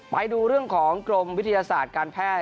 ไปดูเรื่องของกรมวิทยาศาสตร์การแพทย์